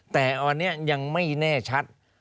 แต่อันนี้ยังไม่แน่ชัด